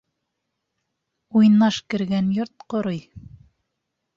Уйнаш кергән йорт ҡорой.